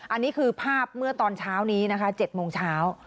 อันนี้คือภาพเมื่อตอนเช้านี้นะคะ๗โมงเช้า